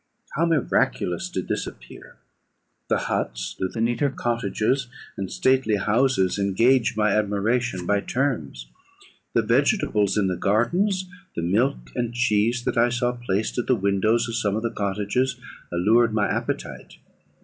How miraculous did this appear! the huts, the neater cottages, and stately houses, engaged my admiration by turns. The vegetables in the gardens, the milk and cheese that I saw placed at the windows of some of the cottages, allured my appetite.